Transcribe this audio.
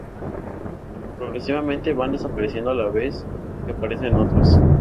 Progresivamente van desapareciendo a la vez que aparecen otros.